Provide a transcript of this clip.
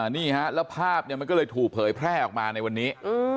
นี่ฮะแล้วภาพมันก็เลยถูกเผยแพร่ออกมาในวันนี้